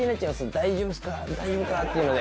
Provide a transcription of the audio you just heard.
大丈夫かっていうので。